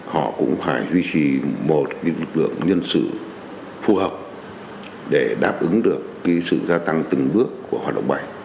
họ cũng phải duy trì một lực lượng nhân sự phù hợp để đáp ứng được sự gia tăng từng bước của hoạt động bảy